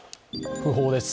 訃報です。